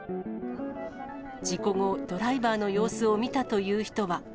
事故後、ドライバーの様子を見たという人は。